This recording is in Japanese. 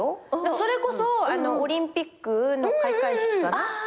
それこそオリンピックの開会式かな？